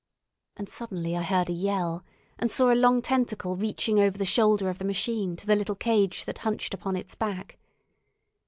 And suddenly I heard a yell, and saw a long tentacle reaching over the shoulder of the machine to the little cage that hunched upon its back.